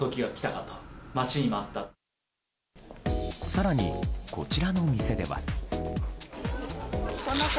更に、こちらの店では。